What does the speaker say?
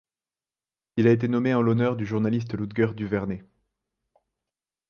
Il a été nommé en l'honneur du journaliste Ludger Duvernay,